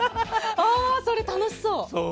それ楽しそう。